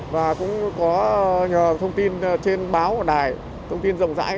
và cũng có nhờ thông tin trên báo đài thông tin rộng rãi